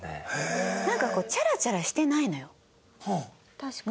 確かに。